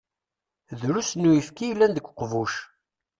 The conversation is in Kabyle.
Drusn uyefki i yellan deg uqbuc.